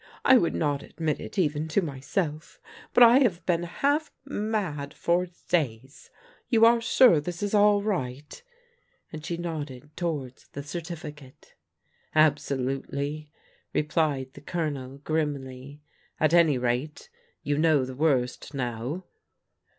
" I would not ad mit it even to myself, but I have been half mad for days. You are sure this is all right ?" and she nodded towards the certificate. "Absolutely," replied the Colonel grimly. "At any rate, you know the worst now."